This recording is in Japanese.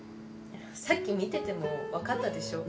さっき見ててもわかったでしょ。